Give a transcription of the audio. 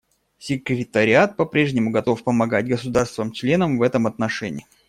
Секретариат по-прежнему готов помогать государствам-членам в этом отношении.